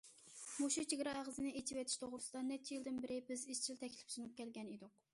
مۇشۇ چېگرا ئېغىزىنى ئېچىۋېتىش توغرىسىدا نەچچە يىلدىن بېرى بىز ئىزچىل تەكلىپ سۇنۇپ كەلگەن ئىدۇق.